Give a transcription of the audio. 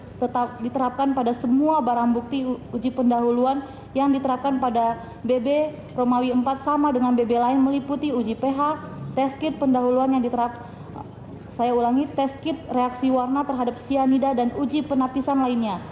ini tetap diterapkan pada semua barang bukti uji pendahuluan yang diterapkan pada bb romawi empat sama dengan bb lain meliputi uji ph tes kit pendahuluan yang diterapkan saya ulangi tes kit reaksi warna terhadap cyanida dan uji penapisan lainnya